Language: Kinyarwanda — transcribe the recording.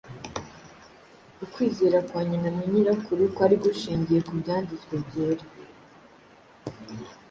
Ukwizera kwa nyina na nyirakuru kwari gushingiye ku byanditswe byera,